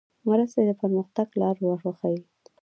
مرستې د پرمختګ لار ورښیي.